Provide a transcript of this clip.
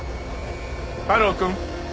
太郎くん。